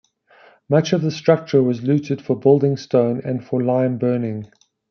Much of the structure was looted for building stone and for lime burning.